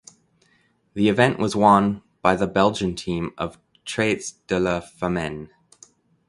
The event was won by the Belgian team of traits de la Famenne.